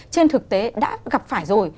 trên thực tế đã gặp phải rồi